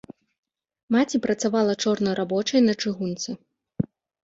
Маці працавала чорнарабочай на чыгунцы.